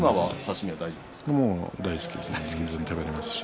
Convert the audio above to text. もう大好きです。